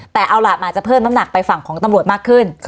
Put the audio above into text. แต่เอาล่ะมันอาจจะเพิ่มน้ำหนักไปฝั่งของตำรวจมากขึ้น